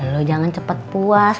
lo jangan cepet puas